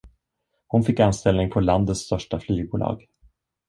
Hon fick anställning på landets största flygbolag.